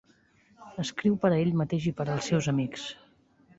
Escriu per a ell mateix i per als seus amics.